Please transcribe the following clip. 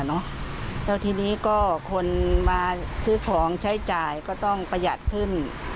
แล้วทีนี้ก็คนมาซื้อของใช้จ่ายก็ต้องประหยัดขึ้น